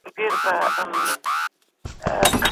له دیوالونو څخه هیڅ غږ نه پورته کېده.